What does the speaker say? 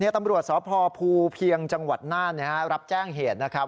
ตำรวจสพภูเพียงจังหวัดน่านรับแจ้งเหตุนะครับ